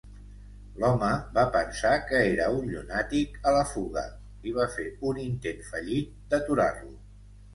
L'home va pensar que era un llunàtic a la fuga i va fer un intent fallit d'aturar-lo.